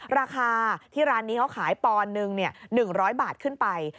ราคาที่ร้านนี้เขาขายปอนด์หนึ่ง๑๐๐บาทขึ้นไป